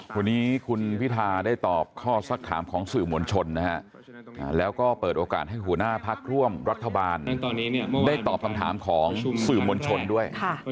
วันนี้คุณพิธาได้ตอบข้อสักถามของสื่อมวลชนนะฮะแล้วก็เปิดโอกาสให้หัวหน้าพักร่วมรัฐบาลได้ตอบคำถามของสื่อมวลชนด้วย